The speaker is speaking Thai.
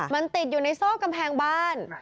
มันติดอยู่ในซอกกำแพงบ้าน